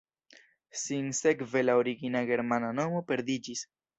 Sinsekve la origina germana nomo perdiĝis.